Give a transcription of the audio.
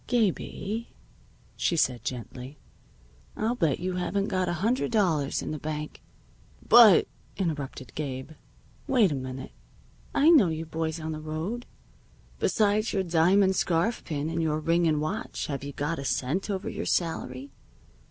"Gabie," she said gently, "I'll bet you haven't got a hundred dollars in the bank " "But " interrupted Gabe. "Wait a minute. I know you boys on the road. Besides your diamond scarf pin and your ring and watch, have you got a cent over your salary?